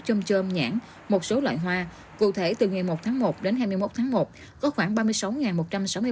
chôm chôm nhãn một số loại hoa cụ thể từ ngày một tháng một đến hai mươi một tháng một có khoảng ba mươi sáu một trăm sáu mươi ba tấn trái cây